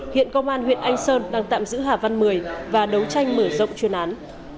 hiện công an huyện anh sơn đang tạm giữ hà văn mười và đấu tranh mở rộng chuyên án